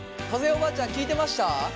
おばあちゃん聞いてました？